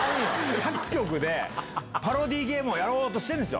各局でパロディーゲームをやろうとしてるんですよ。